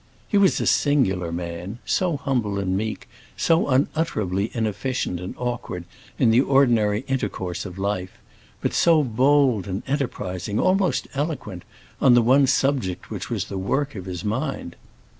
He was a singular man; so humble and meek, so unutterably inefficient and awkward in the ordinary intercourse of life, but so bold and enterprising, almost eloquent, on the one subject which was the work of his mind!